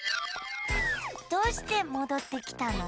どうしてもどってきたの？